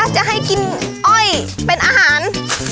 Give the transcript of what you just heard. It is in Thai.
จะให้กินอ้อยเป็นอาหาร